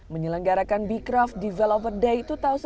menyelenggarakan becraft developer day dua ribu tujuh belas